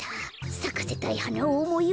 さかせたいはなをおもいうかべれば。